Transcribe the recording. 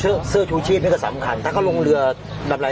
เสื้อเสื้อชูชีพนี่ก็สำคัญถ้าเขาลงเรือดำไร